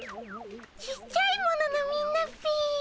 ちっちゃいもののみんなっピ。